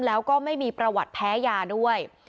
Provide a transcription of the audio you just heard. แล้วก็ไม่มีประวัติแพ้ยาด้วย